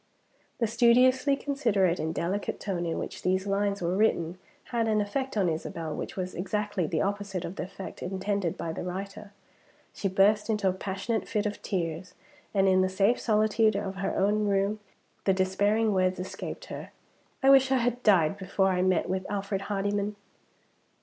The studiously considerate and delicate tone in which these lines were written had an effect on Isabel which was exactly the opposite of the effect intended by the writer. She burst into a passionate fit of tears; and in the safe solitude of her own room, the despairing words escaped her, "I wish I had died before I met with Alfred Hardyman!"